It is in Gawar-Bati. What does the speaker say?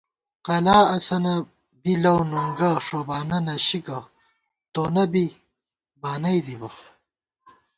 قلا اسَنہ بی لَؤ نُنگہ ݭوبانہ نَشی گہ تونہ بی بانَئ دِبہ